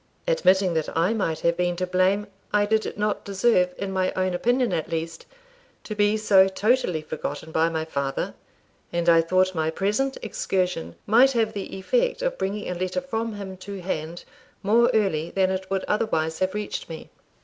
Admitting that I might have been to blame, I did not deserve, in my own opinion at least, to be so totally forgotten by my father; and I thought my present excursion might have the effect of bringing a letter from him to hand more early than it would otherwise have reached me.